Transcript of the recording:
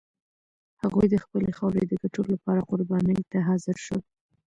هغوی د خپلې خاورې د ګټلو لپاره قربانۍ ته حاضر شول.